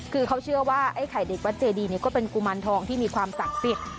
คือเขาเชื่อว่าไอ้ไข่เด็กวัดเจดีนี่ก็เป็นกุมารทองที่มีความศักดิ์สิทธิ์